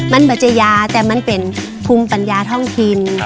มันบัชยาแต่มันเป็นภูมิปัญญาท่องถิ่น